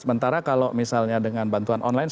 sementara kalau misalnya dengan bantuan online